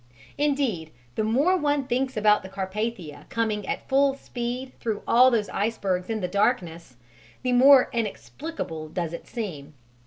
Indeed, the more one thinks about the Carpathia coming at full speed through all those icebergs in the darkness, the more inexplicable does it seem.